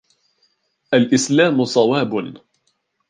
الإسلام صواب.